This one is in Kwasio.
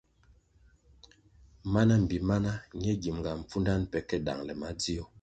Mana mbpi mana ñe gimʼnga pfundanʼ pe ke dangʼle madzio.